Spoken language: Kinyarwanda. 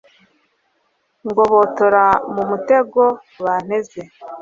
ngobotora mu mutego banteze